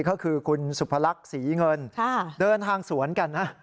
ก็คือคุณสุพรรคศรีเงินเดินทางสวนกัน